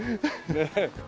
ねえ。